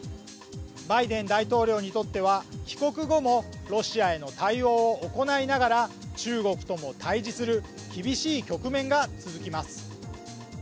バイデン大統領にとっては帰国後も、ロシアへの対応を行いながら中国とも対峙する厳しい局面が続きます。